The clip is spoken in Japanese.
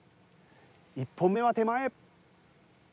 １本目は手前。